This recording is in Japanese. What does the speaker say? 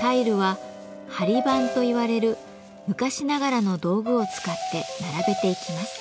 タイルは貼板といわれる昔ながらの道具を使って並べていきます。